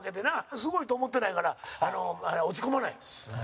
すごいと思ってないから落ち込まないんです。